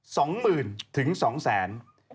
สองหมื่นถึงสองแสน